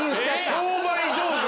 商売上手。